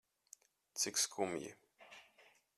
Cik skumji.